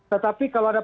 tetapi kalau ada